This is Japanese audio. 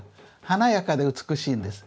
華やかで美しいんです。